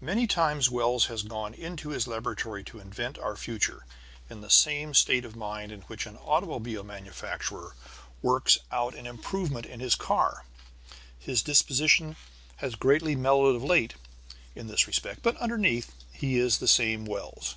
Many times Wells has gone into his laboratory to invent our future, in the same state of mind in which an automobile manufacturer works out an improvement in his car. His disposition has greatly mellowed of late, in this respect, but underneath he is the same Wells.